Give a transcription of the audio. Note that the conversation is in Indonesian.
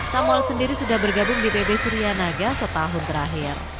samuel sendiri sudah bergabung di bb surianaga setahun terakhir